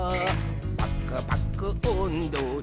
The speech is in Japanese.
「パクパクおんどで」